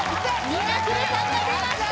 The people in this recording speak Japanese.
ミラクルさんが出ました